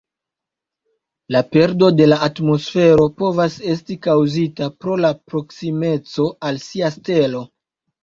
La perdo de la atmosfero povas esti kaŭzita pro la proksimeco al sia stelo.